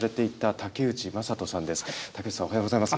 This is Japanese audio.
武内さん、おはようございます。